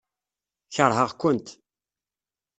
Keṛheɣ-kent.